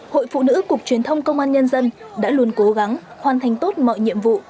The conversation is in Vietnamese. hội phụ nữ cục truyền thông công an nhân dân đã luôn cố gắng hoàn thành tốt mọi nhiệm vụ